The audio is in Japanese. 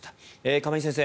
亀井先生